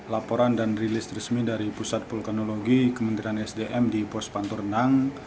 laporan dan rilis resmi dari pusat vulkanologi kementerian sdm di pospantor nang